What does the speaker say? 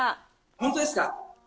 本当ですか？